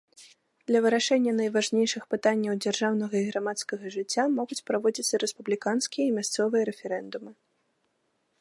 Для вырашэння найважнейшых пытанняў дзяржаўнага і грамадскага жыцця могуць праводзіцца рэспубліканскія і мясцовыя рэферэндумы.